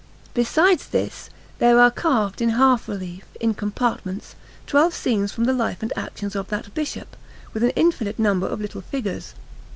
Besides this, there are carved in half relief, in compartments, twelve scenes from the life and actions of that Bishop, with an infinite number of little figures.